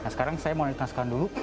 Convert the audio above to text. sekarang saya mau naikkan sekalian dulu